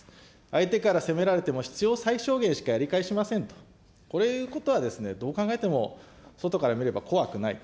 相手から攻められても必要最小限しかやり返しませんと、こういうことは、どう考えても外から見れば怖くない。